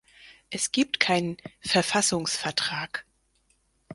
Es gibt keinen "Verfassungsvertrag".